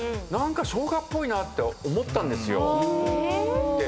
何か生姜っぽいなって思ったんですよ。